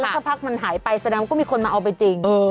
แล้วถ้าพักมันหายไปสั้นนั้นก็มีคนมาเอาไปจริง